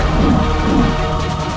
kedai yang menangis